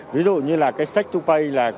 ví dụ như là cái sách hai pay là